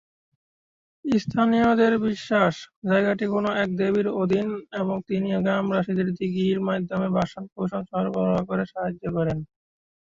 স্থানীয়দের বিশ্বাস, জায়গাটি কোনো এক দেবীর অধীন এবং তিনি গ্রামবাসীকে দিঘির মাধ্যমে বাসন-কোসন সরবরাহ করে সাহায্য করেন।